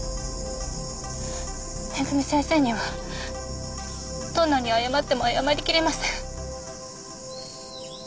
めぐみ先生にはどんなに謝っても謝りきれません。